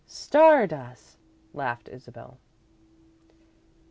"Star dust!" laughed Isabel.